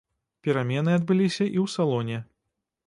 Перамены адбыліся і ў салоне.